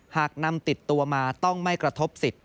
หากนำติดตัวมาต้องไม่กระทบสิทธิ